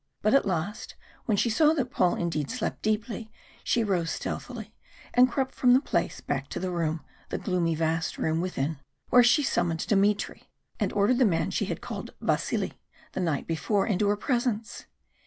But at last, when she saw that Paul indeed slept deeply, she rose stealthily and crept from the place back to the room, the gloomy vast room within, where she summoned Dmitry, and ordered the man she had called Vasili the night before into her presence.